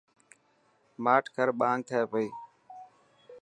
ماٺ ڪر ٻانگ ٿي پئي.